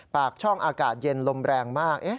ปากช่องอากาศเย็นลมแรงมาก